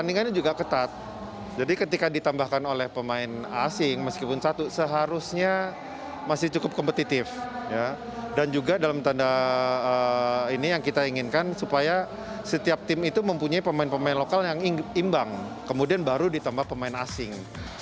ini adalah tanda yang kita inginkan supaya setiap tim itu mempunyai pemain pemain lokal yang imbang kemudian baru ditambah pemain asing